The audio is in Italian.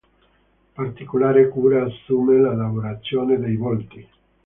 Particolare cura assume la lavorazione dei volti.